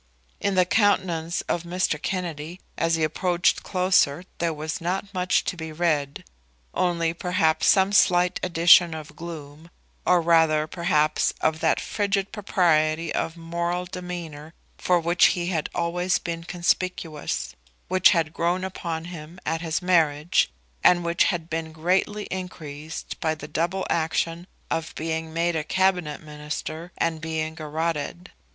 In the countenance of Mr. Kennedy, as he approached closer, there was not much to be read, only, perhaps, some slight addition of gloom, or rather, perhaps, of that frigid propriety of moral demeanour for which he had always been conspicuous, which had grown upon him at his marriage, and which had been greatly increased by the double action of being made a Cabinet Minister and being garrotted.